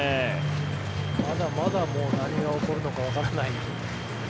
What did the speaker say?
まだまだ何が起こるのかわからない。